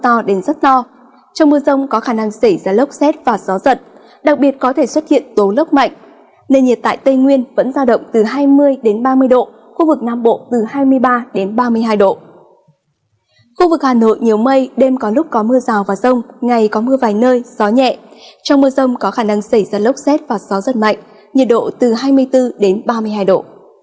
trong mưa rông có khả năng xảy ra lốc xét và gió rất mạnh nhiệt độ từ hai mươi bốn đến ba mươi hai độ